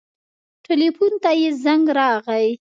ټېلفون ته يې زنګ راغى.